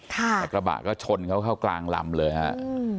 แต่กระบะก็ชนเขาเข้ากลางลำเลยฮะ